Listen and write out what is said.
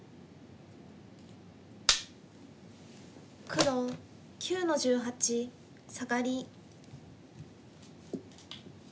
黒９の十八サガリ。